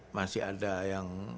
masih ada yang